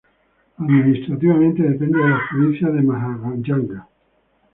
Administrativamente depende en la Provincia de Mahajanga.